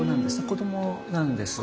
子どもなんです。